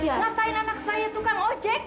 ngapain anak saya tukang ojek